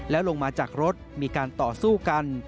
แล้วลงมาจากรถมีการต่อสู้กัน